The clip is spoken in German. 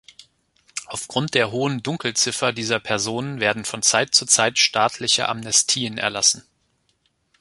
Aufgrund der hohen Dunkelziffer dieser Personen werden von Zeit zu Zeit staatliche Amnestien erlassen.